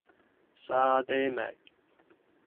沙嗲味